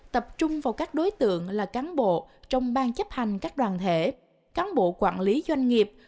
tập trung vào các đối tượng là cán bộ trong bang chấp hành các đoàn thể cán bộ quản lý doanh nghiệp